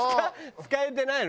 使えてないの？